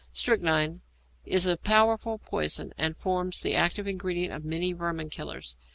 =Strychnine= is a powerful poison, and forms the active ingredient of many 'vermin killers.'